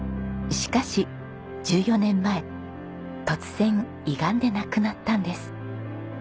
しかし１４年前突然胃がんで亡くなったんです。